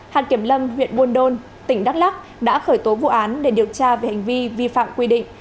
hạt kiểm lâm huyện buôn đôn tỉnh đắk lắc đã khởi tố vụ án để điều tra về hành vi vi phạm quy định